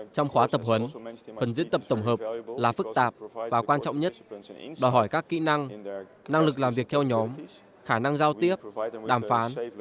trong khóa tập huấn phần diễn tập tổng hợp là phức tạp và quan trọng nhất đòi hỏi các kỹ năng năng lực làm việc theo nhóm khả năng giao tiếp đàm phán